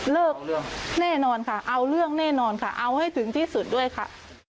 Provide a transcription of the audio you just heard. เรื่องแน่นอนค่ะเอาเรื่องแน่นอนค่ะเอาให้ถึงที่สุดด้วยค่ะ